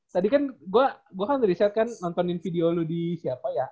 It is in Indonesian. tadi kan gue gue kan nontonin video lu di siapa ya